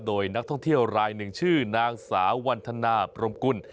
โดยนักท่องเที่ยวรายหนึ่งชื่อนางสาววันธนาพรมกุล